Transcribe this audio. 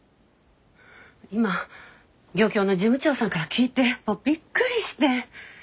今漁協の事務長さんから聞いてもうびっくりして。